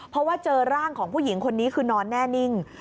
เพราะว่าเจอร่างของผู้หญิงคนนี้คือนอนแน่นิ่ง